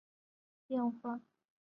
马里尼莱沙泰人口变化图示